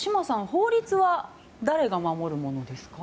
法律は誰が守るものですか？